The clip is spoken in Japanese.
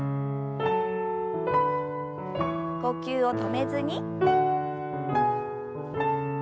呼吸を止めずに。